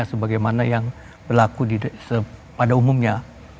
sebagai mana yang berlaku pada umumnya